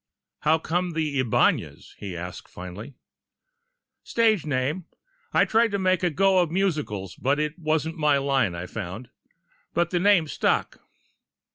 "How come the Ibañez?" he asked, finally. "Stage name! I tried to make a go of the musicals, but it wasn't my line, I found. But the name stuck."